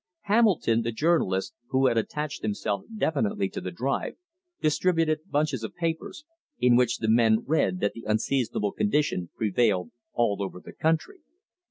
Hamilton, the journalist, who had attached himself definitely to the drive, distributed bunches of papers, in which the men read that the unseasonable condition prevailed all over the country.